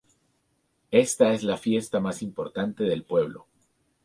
Esta es la fiesta más importante del pueblo.